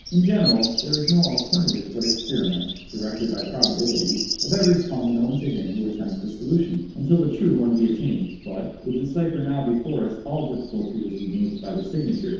In general, there is no alternative but experiment (directed by probabilities) of every tongue known to him who attempts the solution, until the true one be attained. But, with the cipher now before us, all difficulty was removed by the signature.